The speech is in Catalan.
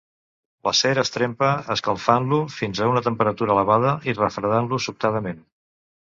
L'acer es trempa escalfant-lo fins a una temperatura elevada i refredant-lo sobtadament.